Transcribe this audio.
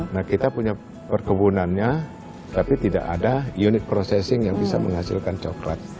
nah kita punya perkebunannya tapi tidak ada unit processing yang bisa menghasilkan coklat